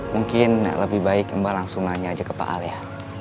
mungkin lebih baik mbak langsung nanya aja ke pak al ya